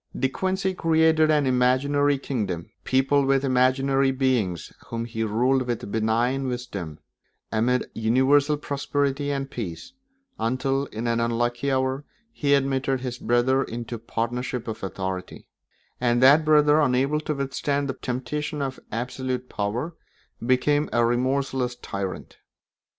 De Quincey created an imaginary kingdom, peopled with imaginary beings whom he ruled with benignant wisdom, amid universal prosperity and peace, until, in an unlucky hour, he admitted his brother into a partnership of authority; and that brother, unable to withstand the temptation of absolute power, became a remorseless tyrant.